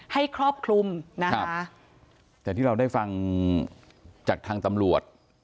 ครอบคลุมนะคะแต่ที่เราได้ฟังจากทางตำรวจ